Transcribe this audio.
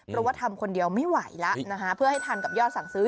เพราะว่าทำคนเดียวไม่ไหวแล้วนะคะเพื่อให้ทันกับยอดสั่งซื้อ